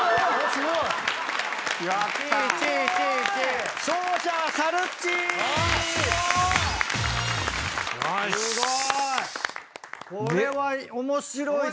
すごーい。